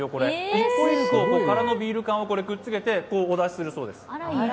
１個１個空のビール缶をくっつけてお出しするそうです。